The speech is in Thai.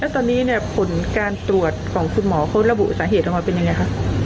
ตอนนี้เนี่ยผลการตรวจของคุณหมอเขาระบุสาเหตุออกมาเป็นยังไงคะ